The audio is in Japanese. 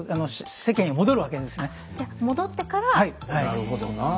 なるほどなあ。